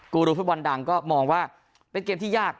กูรูฟุตบอลดังก็มองว่าเป็นเกมที่ยาก